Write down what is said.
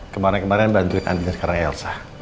kemarin kemarin bantuin sekarang elsa